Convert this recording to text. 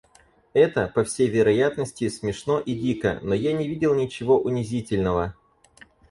Это, по всей вероятности, смешно и дико, но я не видел ничего унизительного.